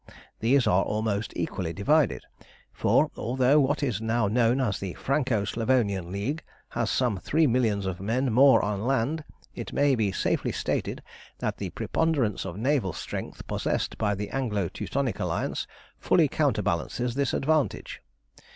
These are almost equally divided; for, although what is now known as the Franco Slavonian League has some three millions of men more on land, it may be safely stated that the preponderance of naval strength possessed by the Anglo Teutonic Alliance fully counterbalances this advantage.